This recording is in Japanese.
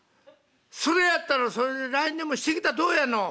「それやったらそれでＬＩＮＥでもしてきたらどうやの！